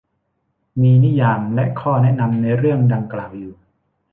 มีนิยามและข้อแนะนำในเรื่องดังกล่าวอยู่